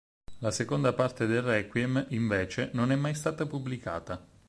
La seconda parte del requiem invece non è mai stata pubblicata.